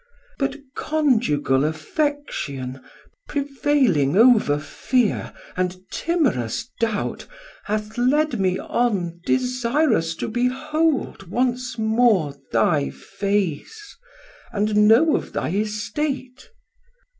But conjugal affection Prevailing over fear, and timerous doubt 740 Hath led me on desirous to behold Once more thy face, and know of thy estate.